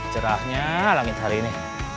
cerahnya langit hari ini